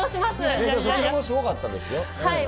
でもそちらもすごかったです